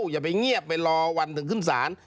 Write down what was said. อย่าไปเงียบไปรอวันถึงขึ้นศาล